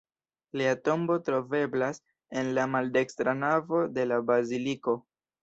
Lia tombo troveblas en la maldekstra navo de la baziliko.